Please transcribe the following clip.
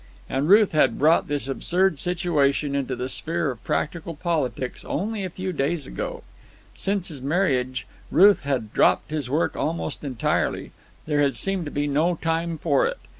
And Ruth had brought this absurd situation into the sphere of practical politics only a few days ago. Since his marriage Kirk had dropped his work almost entirely. There had seemed to be no time for it.